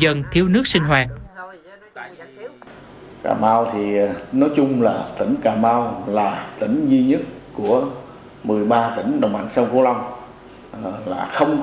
đang thiếu nước ngọt thì đợt xâm nhập mặn mới từ ngày hai mươi một đến ngày hai mươi sáu tháng ba